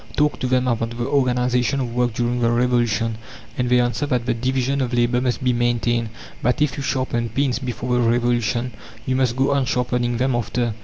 Talk to them about the organization of work during the Revolution, and they answer that the division of labour must be maintained; that if you sharpened pins before the Revolution you must go on sharpening them after.